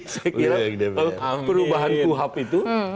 saya kira perubahan kuhap itu